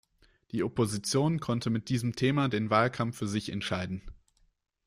Die Opposition konnte mit diesem Thema den Wahlkampf für sich entscheiden.